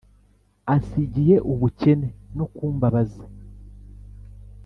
Ansigiye ubukene no kumbabaza